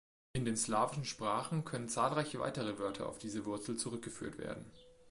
In den slawischen Sprachen können zahlreiche weitere Wörter auf diese Wurzel zurückgeführt werden.